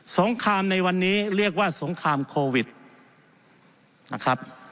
งครามในวันนี้เรียกว่าสงครามโควิดนะครับ